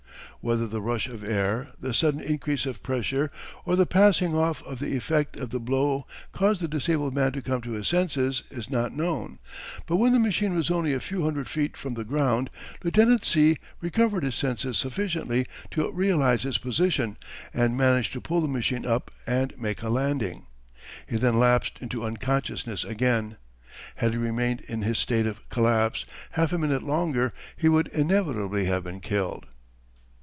Whether the rush of air, the sudden increase of pressure, or the passing off of the effect of the blow caused the disabled man to come to his senses is not known, but when the machine was only a few hundred feet from the ground, Lieutenant C. recovered his senses sufficiently to realize his position and managed to pull the machine up and make a landing. He then lapsed into unconsciousness again. Had he remained in his state of collapse half a minute longer, he would inevitably have been killed.